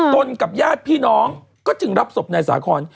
กับญาติพี่น้องก็จึงรับศพนายสาคอน